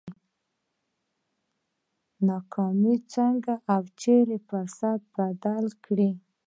ناکامي څنګه او چېرې پر فرصت بدله کړي؟